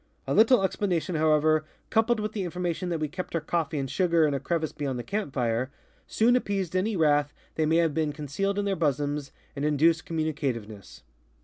A little explanation, however, coupled with the information that Ave kept our coffee and sugar in a crevice beyond the camp fire, soon appeased any wrath that may have been concealed in their bosoms and induced communicativeness.